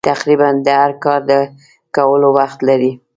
چې تقریباً د هر کار د کولو وخت لرې.